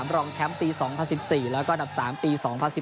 รองแชมป์ปี๒๐๑๔แล้วก็อันดับ๓ปี๒๐๑๘